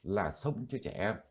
là sông cho trẻ em